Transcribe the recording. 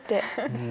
うん。